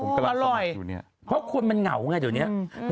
อืมอร่อยเพราะคนนั้นเหงาจริงไงตอนนี้